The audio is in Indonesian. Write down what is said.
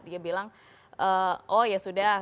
dia bilang oh ya sudah